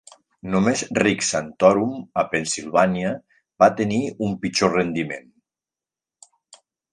Només Rick Santorum a Pennsilvània va tenir un pitjor rendiment.